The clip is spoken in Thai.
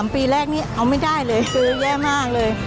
ปีแรกนี้เอาไม่ได้เลยคือแย่มากเลย